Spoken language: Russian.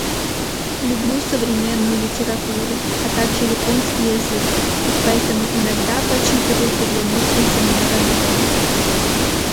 Люблю современную литературу, а также японский язык, поэтому иногда почитываю приглянувшиеся мне ранобэ.